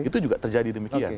itu juga terjadi demikian